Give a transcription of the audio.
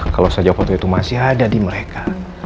kalau saja foto itu masih ada di mereka